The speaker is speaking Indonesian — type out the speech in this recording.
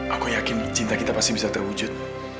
aku yakin cinta kita pasti bisa terwujud